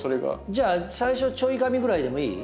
じゃあ最初ちょいがみぐらいでもいい？